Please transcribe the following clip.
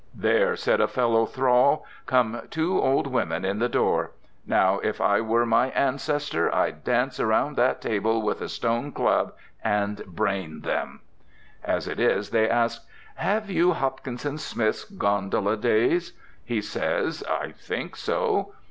"There," said a fellow thrall, "come two old women in at the door. Now, if I were my ancestor, I'd dance around that table with a stone club and brain them." As it is, they ask, "Have you Hopkinson Smith's 'Gondola Days'?" He says, "I think so."